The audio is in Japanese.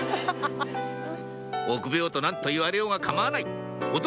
臆病と何と言われようが構わない男